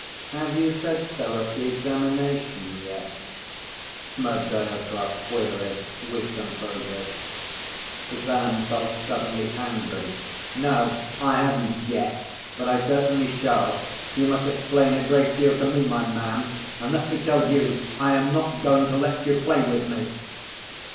"Have you said so at the examination yet?" Smerdyakov queried with composure. Ivan felt suddenly angry. "No, I haven't yet, but I certainly shall. You must explain a great deal to me, my man; and let me tell you, I am not going to let you play with me!"